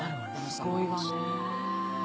すごいわね。